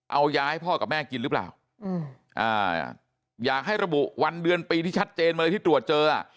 เอายาให้พ่อกับแม่กินหรือเปล่าอยากให้ระบุวันเดือนปีที่ชัดเจนมาเลยที่ตรวจเจอ